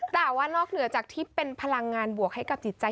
แต่ว่านอกเหนือจากที่เป็นพลังงานบวกให้กับจิตใจ